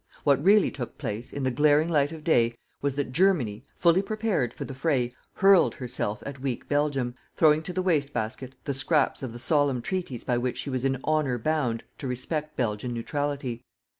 What really took place, in the glaring light of day, was that Germany, fully prepared for the fray, hurled herself at weak Belgium, throwing to the waste basket the scraps of the solemn treaties by which she was in honour bound to respect Belgian neutrality.